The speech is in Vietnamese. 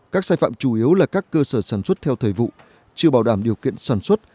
các sai phạm chủ yếu là các cơ sở sản xuất theo thời vụ chưa bảo đảm điều kiện sản xuất